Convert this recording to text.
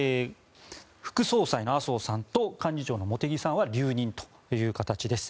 副総裁の麻生さんと幹事長の茂木さんは留任という形です。